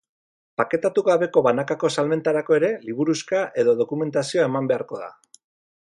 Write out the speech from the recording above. Paketatu gabeko banakako salmentarako ere, liburuxka edo dokumentazioa eman beharko da.